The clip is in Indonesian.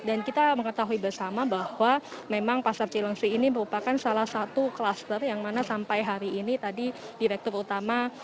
dan kita mengetahui bersama bahwa memang pasar cilangsi ini merupakan salah satu kluster yang mana sampai hari ini tadi direktur utama